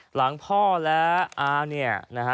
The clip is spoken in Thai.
หลังพ่อและอาเนี่ยนะฮะ